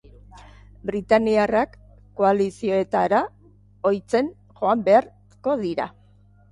Britainiarrak koalizioetara ohitzen joan beharko dira.